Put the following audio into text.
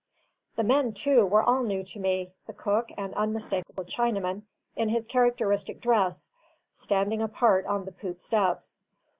The men, too, were all new to me: the cook, an unmistakable Chinaman, in his characteristic dress, standing apart on the poop steps.